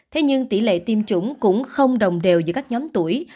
thế nhưng tỷ lệ tiêm chủng cũng không đồng đều giữa các nhóm tuổi